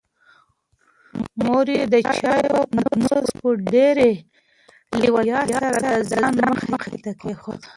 مور یې د چایو پتنوس په ډېرې لېوالتیا سره د ځان مخې ته کېښود.